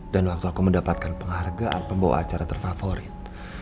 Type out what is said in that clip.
dan waktu aku mendapatkan penghargaan pembawa acara terfavorit